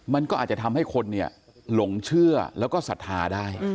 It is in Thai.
มันก็อาจจะทำให้คนหลงเชื่อแล้วก็ศรัทธาได้